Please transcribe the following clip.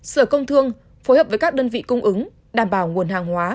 sở công thương phối hợp với các đơn vị cung ứng đảm bảo nguồn hàng hóa